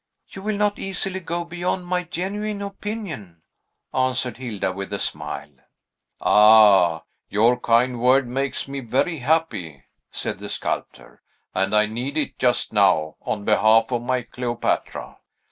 "You will not easily go beyond my genuine opinion," answered Hilda, with a smile. "Ah, your kind word makes me very happy," said the sculptor, "and I need it, just now, on behalf of my Cleopatra.